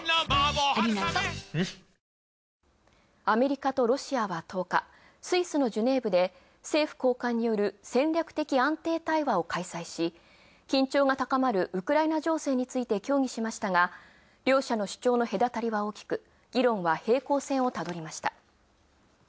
アメリカとロシアは１０日、スイスのジュネーブで政府高官による戦略的安定対話を開催し、緊張が高まるウクライナ情勢について協議しましたが、両者の主張の隔たりは大きく議論は平行線をたどりました。